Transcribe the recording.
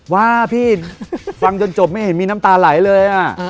ว่าพี่ฟังจนจบไม่เห็นมีน้ำตาไหลเลย